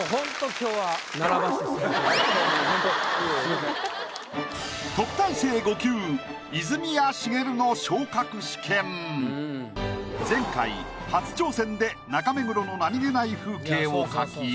今日は前回初挑戦で中目黒の何気ない風景を描き